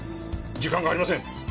時間がありません。